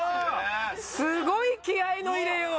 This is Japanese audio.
すごい気合の入れよう。